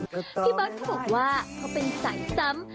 พี่เบิร์ตเขาบอกว่าเขาเป็นสายซ้ำ